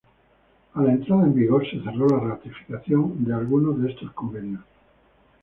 A la entrada en vigor, se cerró la ratificación de algunos de estos convenios.